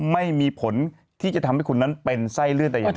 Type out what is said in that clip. ไม่มีผลที่จะทำให้คุณนั้นเป็นไส้เลื่อนแต่อย่างใด